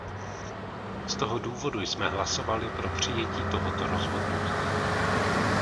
Z toho důvodu jsme hlasovali pro přijetí tohoto rozhodnutí.